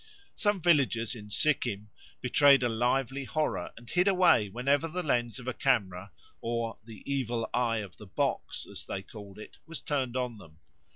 Some villagers in Sikhim betrayed a lively horror and hid away whenever the lens of a camera, or "the evil eye of the box" as they called it, was turned on them.